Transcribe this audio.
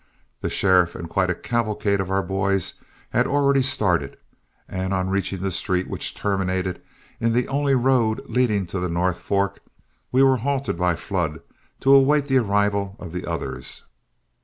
The sheriff and quite a cavalcade of our boys had already started, and on reaching the street which terminated in the only road leading to the North Fork, we were halted by Flood to await the arrival of the others.